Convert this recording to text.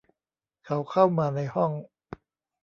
เขาเข้ามาในห้อง